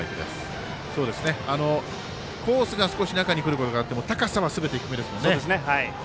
コースが少し中にくることがあっても高さは、すべて低めですもんね。